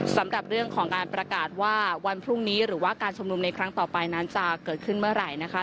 สำหรับเรื่องของการประกาศว่าวันพรุ่งนี้หรือว่าการชุมนุมในครั้งต่อไปนั้นจะเกิดขึ้นเมื่อไหร่นะคะ